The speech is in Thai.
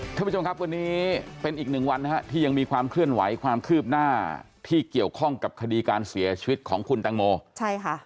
ท่านผู้ชมครับวันนี้เป็นอีกหนึ่งวันนะฮะที่ยังมีความเคลื่อนไหวความคืบหน้าที่เกี่ยวข้องกับคดีการเสียชีวิตของคุณตังโมใช่ค่ะ